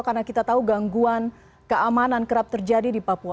karena kita tahu gangguan keamanan kerap terjadi di papua